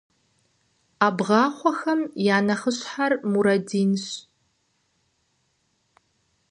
Ӏэбгъахъуэхэм я нэхъыщхьэр Мурадинщ.